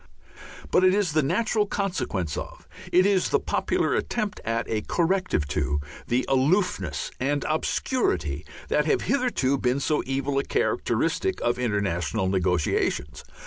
But it is the natural consequence of, it is the popular attempt at a corrective to, the aloofness and obscurity that have hitherto been so evil a characteristic of international negotiations.